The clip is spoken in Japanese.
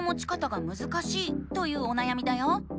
というおなやみだよ。